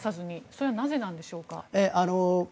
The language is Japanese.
それはなぜなんでしょうか。